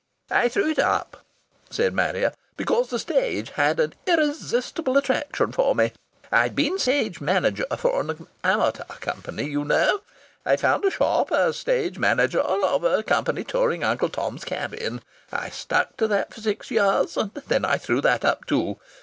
"I threw it up," said Marrier, "because the stage had an irresistible attraction for me. I'd been stage manajah for an amateur company, you knaoo. I found a shop as stage manajah of a company touring 'Uncle Tom's Cabin.' I stuck to that for six years, and then I threw that up too.